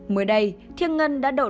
mới đây thiên ngân đã đậu